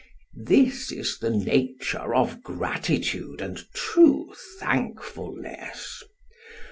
This is the nature of gratitude and true thankfulness.